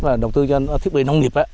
và đầu tư cho thiết bị nông nghiệp